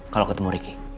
kalau ketemu ricky